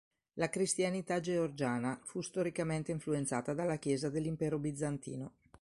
La cristianità georgiana fu storicamente influenzata dalla Chiesa dell'Impero bizantino.